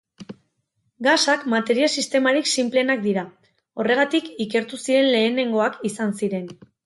Gasak materia-sistemarik sinpleenak dira, horregatik, ikertu ziren lehenengoak izan ziren.